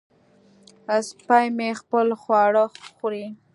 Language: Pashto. سپی مې خپل خواړه خوري.